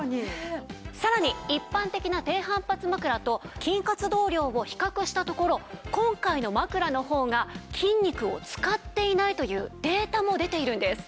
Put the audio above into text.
さらに一般的な低反発枕と筋活動量を比較したところ今回の枕の方が筋肉を使っていないというデータも出ているんです。